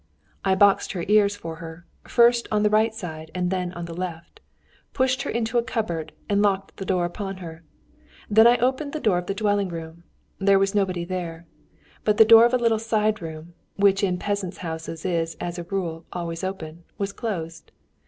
I boxed her ears for her, first on the right side and then on the left, pushed her into a cupboard and locked the door upon her. Then I opened the door of the dwelling room. There was nobody there. But the door of a little side room, which in peasants' houses is, as a rule, always open, was closed.